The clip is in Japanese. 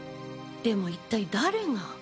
でも一体誰が？